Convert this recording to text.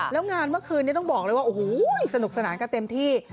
แล้วงานเมื่อคืนนี้ต้องบอกเลยว่าโอ้โหสนุกสนานกันเต็มที่